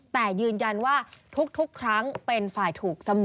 แต่ยืนยันว่าทุกครั้งเป็นฝ่ายถูกเสมอ